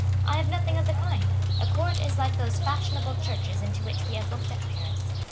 I have nothing of the kind. A court is like those fashionable churches into which we have looked at Paris.